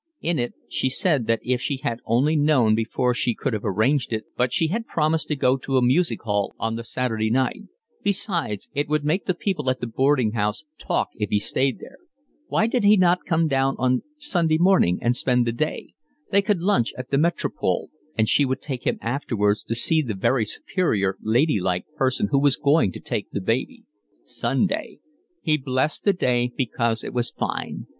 In it she said that if she had only known before she could have arranged it, but she had promised to go to a music hall on the Saturday night; besides, it would make the people at the boarding house talk if he stayed there. Why did he not come on Sunday morning and spend the day? They could lunch at the Metropole, and she would take him afterwards to see the very superior lady like person who was going to take the baby. Sunday. He blessed the day because it was fine.